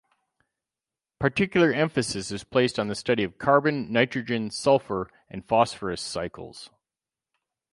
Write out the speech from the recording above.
Particular emphasis is placed on the study of carbon, nitrogen, sulfur, and phosphorus cycles.